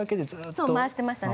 そう回してましたね。